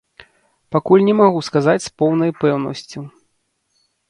Пакуль не магу сказаць з поўнай пэўнасцю.